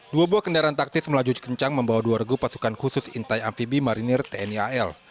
dua buah kendaraan taktis melaju kencang membawa dua regu pasukan khusus intai amfibi marinir tni al